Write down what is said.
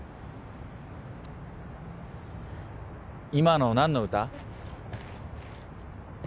今の何の歌？